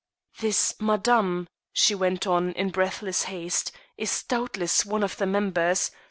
"This Madame," she went on in breathless haste, "is doubtless one of the members.